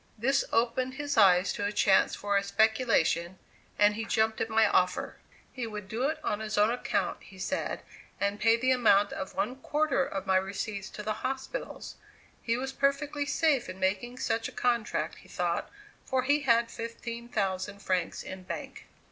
This opened his eyes to a chance for a speculation and he jumped at my offer; he would do it on his own account, he said, and pay the amount of one quarter of my receipts to the hospitals; he was perfectly safe in making such a contract, he thought, for he had 15,000 francs in bank.